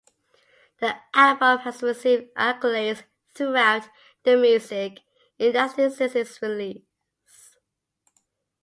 The album has received accolades throughout the music industry since its release.